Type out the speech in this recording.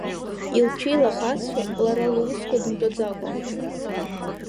Илцәеилахазшәа лара лусқәа, дымтәаӡакәа…